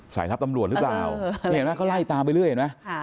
สายลับตำรวจหรือเปล่าเออเออเห็นไหมเขาไล่ตามไปเรื่อยเห็นไหมค่ะ